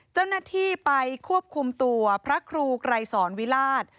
เจ้าหน้าที่ไปควบคุมตัวพระครูไกรสอนวิราช